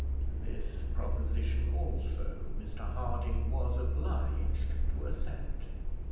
To this proposition also Mr Harding was obliged to assent.